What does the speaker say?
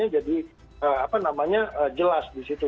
jadi apa namanya jelas di situ